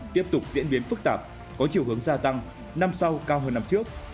tiếp tục diễn biến phức tạp có chiều hướng gia tăng năm sau cao hơn năm trước